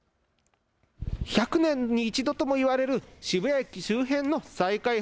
１００年に一度ともも言われる渋谷駅周辺の再開発。